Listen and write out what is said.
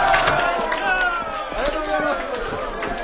ありがとうございます。